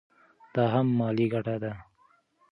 دا هم مالي ګټه ده.